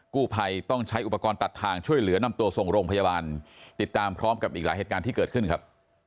กู้ภัยต้องใช้อุปกรณ์ตัดทางช่วยเหลือนำตัวส่งโรงพยาบาลติดตามพร้อมกับอีกหลายเหตุการณ์ที่เกิดขึ้นครับ